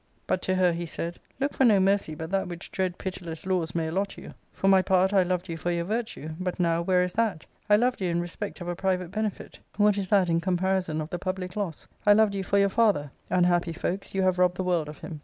But to her he said, " Look for no mercy but that which dread pitiless laws may allot you. For my part, I loved you for your virtue ; but now where is that ? I loved you in respect of a private benefit: what is that in comparison of the public loss ? I loved you for your father : unhappy folks, you have robbed the world of him."